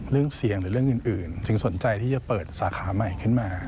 เรื่องเสียงหรือเรื่องอื่นถึงสนใจที่จะเปิดสาขาใหม่ขึ้นมา